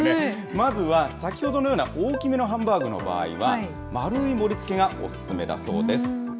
まずは先ほどのような大きめのハンバーグの場合は、丸い盛りつけがお勧めだそうです。